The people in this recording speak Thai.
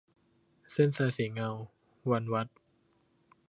เส้นทรายสีเงา - วรรณวรรธน์